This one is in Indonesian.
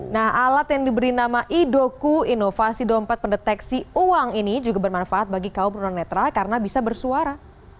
nah alat yang diberi nama idoku inovasi dompet pendeteksi uang ini juga bermanfaat bagi kaum tunanetra karena bisa bersuara